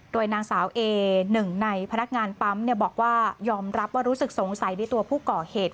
โดยนางสาวเอหนึ่งในพนักงานปั๊มบอกว่ายอมรับว่ารู้สึกสงสัยในตัวผู้ก่อเหตุ